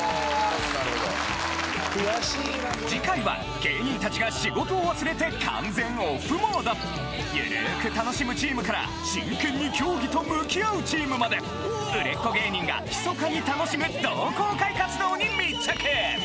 次回は芸人達が仕事を忘れて完全オフモードゆるく楽しむチームから真剣に競技と向き合うチームまで売れっ子芸人が密かに楽しむ同好会活動に密着！